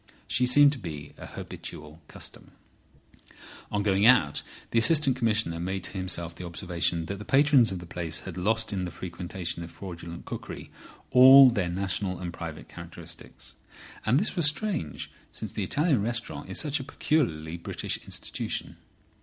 She seemed to be a habitual customer. On going out the Assistant Commissioner made to himself the observation that the patrons of the place had lost in the frequentation of fraudulent cookery all their national and private characteristics. And this was strange, since the Italian restaurant is such a peculiarly British institution.